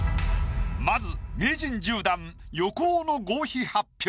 まず名人１０段横尾の合否発表。